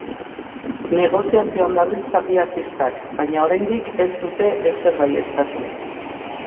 Negoziazioan dabiltza bi artistak baina oraindik ez dute ezer baieztatu.